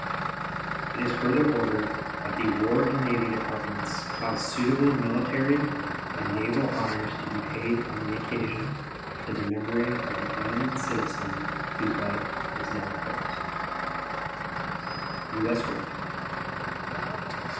It is further ordered that the War and Navy Departments cause suitable military and naval honors to be paid on the occasion to the memory of the eminent citizen whose life is now closed. U.S. GRANT.